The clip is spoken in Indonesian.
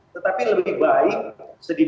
tetapi lebih baik sedikit